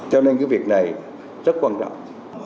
cho nên cái việc này rất quan trọng